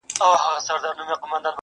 نه یې پښې لامبو ته جوړي نه لاسونه٫